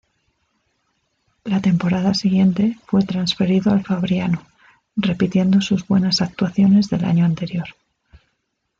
La temporada siguiente fue transferido al Fabriano, repitiendo sus buenas actuaciones del año anterior.